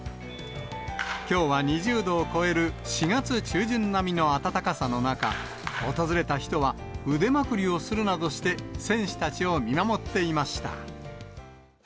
きょうは２０度を超える４月中旬並みの暖かさの中、訪れた人は、腕まくりをするなどして、選手たちを見守っていました。